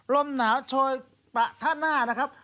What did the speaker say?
ลมหนาวโชยปะท่าหน้านะครับ